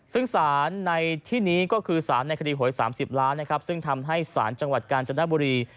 ซึ่งศาลในที่นี้ก็คือศาลในคดีหวย๓๐ล้านซึ่งทำให้ศาลจังหวัดกาลจันทร์บุรี